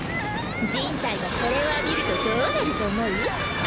人体がこれを浴びるとどうなると思う？